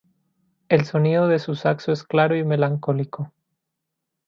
El sonido de su saxo es claro y melancólico.